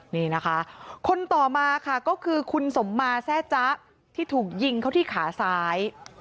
นี่นะคะคนต่อมาค่ะก็คือคุณสมมาแซ่จ๊ะที่ถูกยิงเขาที่ขาซ้าย